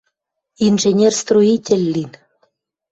Инженер-строитель лин.